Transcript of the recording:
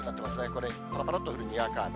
これ、ぱらぱらっと降るにわか雨。